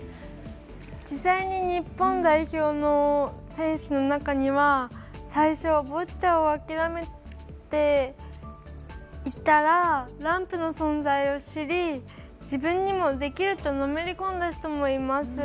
実際に日本代表の選手の中には最初ボッチャを諦めていたらランプの存在を知り自分にもできるとのめり込んだ人もいます。